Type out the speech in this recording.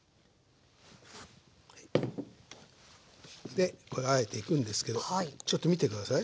でこれをあえていくんですけどちょっと見て下さい。